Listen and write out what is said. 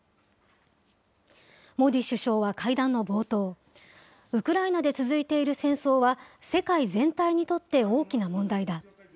モディ首相は会談の冒頭、ウクライナで続いている戦争は、世界全体にとって大きな問題だ。